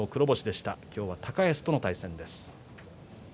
今日は高安との対戦です。